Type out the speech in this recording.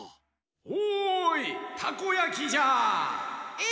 おいたこやきじゃ！え？